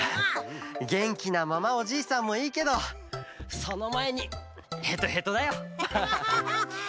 げんきなままおじいさんもいいけどそのまえにへとへとだよ。